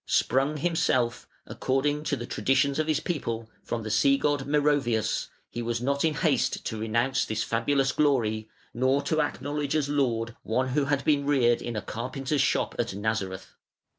Sprung himself, according to the traditions of his people, from the sea god Meroveus, he was not in haste to renounce this fabulous glory, nor to acknowledge as Lord, One who had been reared in a carpenter's shop at Nazareth.